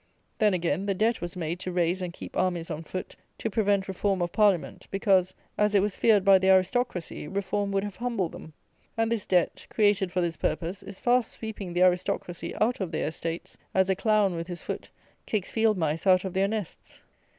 Then, again, the debt was made to raise and keep armies on foot to prevent reform of Parliament, because, as it was feared by the Aristocracy, reform would have humbled them; and this debt, created for this purpose, is fast sweeping the Aristocracy out of their estates, as a clown, with his foot, kicks field mice out of their nests.